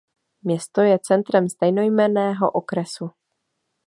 Město je centrem stejnojmenného okresu.